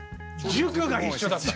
塾が一緒だった。